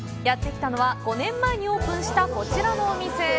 やってきたのは、５年前にオープンしたこちらのお店！